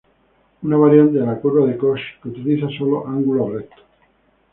Una variante de la curva de Koch que utiliza sólo ángulos rectos.